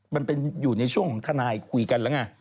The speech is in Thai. มันเป็นอยู่ในช่วงของทนายคุยกันแล้วไง